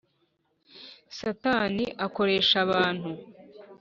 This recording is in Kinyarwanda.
satani akoresha abantu